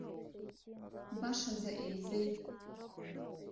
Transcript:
Башаӡа еизеит!